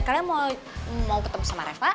kalian mau ketemu sama reva